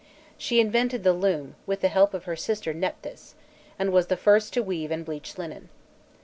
She invented the loom with the help of her sister Nephthys, and was the first to weave and bleach linen.